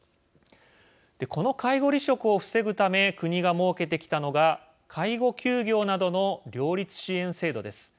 この介護離職を防ぐため国が設けてきたのが介護休業などの両立支援制度です。